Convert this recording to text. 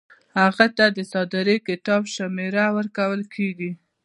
هغه ته د صادرې کتاب شمیره ورکول کیږي.